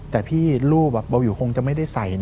แต่พี่รูปเบาวิวคงจะไม่ได้ใส่นะ